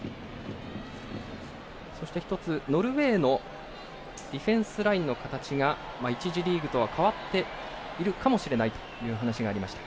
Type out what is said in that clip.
そして、ノルウェーのディフェンスラインの形が１次リーグとは変わっているかもしれないという話がありました。